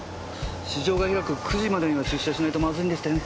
市場が開く９時までには出社しないとまずいんでしたよね。